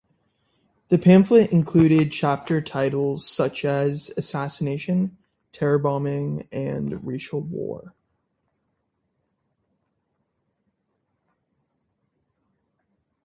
The pamphlet included chapter titles such as "Assassination", "Terror Bombing", and "Racial War".